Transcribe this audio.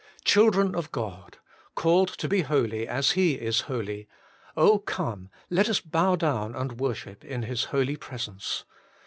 Children of God ! called to be holy as He is holy, oh, come let us bow down and worship in His holy presence